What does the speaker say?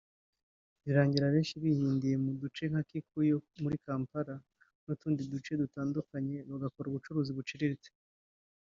birangira abenshi bihindiye mu duce nka Kikuubo muri Kampala n’utundi duce dutandukanye bagakora ubucuruzi buciriritse